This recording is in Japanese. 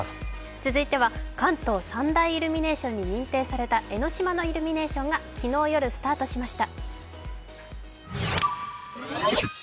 続いては関東三大イルミネーションに認定された江の島のイルミネーションが昨日夜スタートしました。